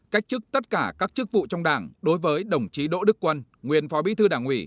cách chức tất cả các chức vụ trong đảng đối với đồng chí đỗ đức quân nguyên phó bí thư đảng ủy